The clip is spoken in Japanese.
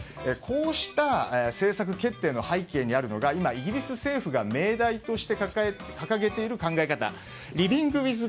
こうした政策決定の背景にあるのが背景にあるのが今、イギリス政府が命題として掲げている考え方